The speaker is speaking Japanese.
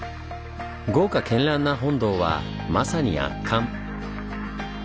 豪華絢爛な本堂はまさに圧巻！